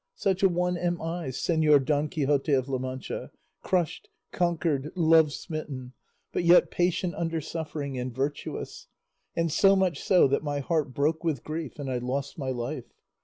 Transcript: Such a one am I, Señor Don Quixote of La Mancha, crushed, conquered, love smitten, but yet patient under suffering and virtuous, and so much so that my heart broke with grief and I lost my life.